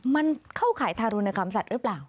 มันเข้าข่ายทารุณกรรมสัตว์หรือเปล่า